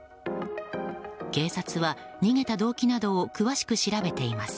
警察は逃げた動機などを詳しく調べています。